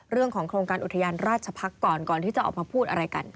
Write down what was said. เรื่องของโครงการอุทยานราชพักษ์ก่อนก่อนที่จะออกมาพูดอะไรกัน